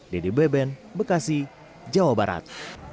dedy beben bekasi jawa barat